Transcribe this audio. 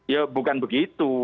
ya bukan begitu